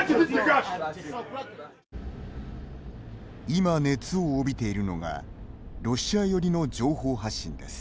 今、熱を帯びているのがロシア寄りの情報発信です。